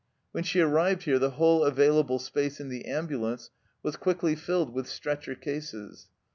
When she arrived here the whole avail able space in the ambulance was quickly filled with stretcher cases.